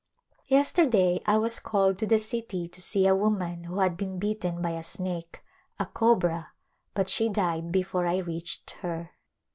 Yesterday I was called to the city to see a woman who had been bitten by a snake — a cobra, but she died before I reached her.